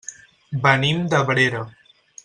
Venim d'Abrera.